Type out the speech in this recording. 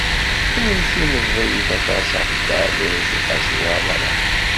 Kennemti meẓẓiyit aṭas ɣef Dda Ɛmiiruc u Qasi Waɛmer n Ḥmed.